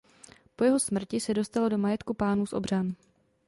Po jeho smrti se dostal do majetku pánů z Obřan.